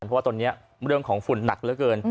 เพราะว่าตอนนี้เรื่องของฝุ่นหนักเหลือเกิน